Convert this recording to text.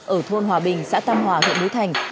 ở thôn hòa bình xã tam hòa huyện núi thành